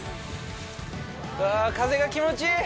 風が気持ちいい！